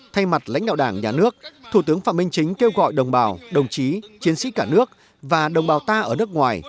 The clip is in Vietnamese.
thay mặt lãnh đạo đảng nhà nước thủ tướng phạm minh chính kêu gọi đồng bào đồng chí chiến sĩ cả nước và đồng bào ta ở nước ngoài